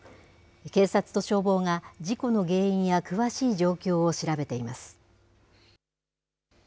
警察と消防が、事故の原因や詳しい状況を調べています。